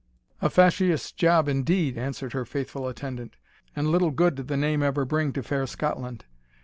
"A fasheous job indeed," answered her faithful attendant, "and little good did the name ever bring to fair Scotland.